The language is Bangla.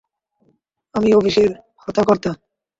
আমিই অফিসের হর্তাকর্তা।